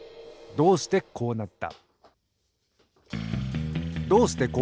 どうしてこうなった？